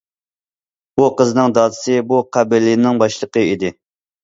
بۇ قىزنىڭ دادىسى بۇ قەبىلىنىڭ باشلىقى ئىدى.